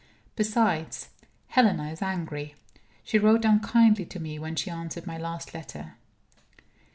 Besides, Helena is angry; she wrote unkindly to me when she answered my last letter.